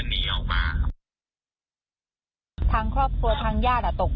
อะไรหนูก็บอกเขาบอกไม่ได้คุก